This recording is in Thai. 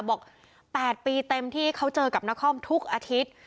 ๘ปีเต็มที่เขาเจอกับนครทุกอาทิตย์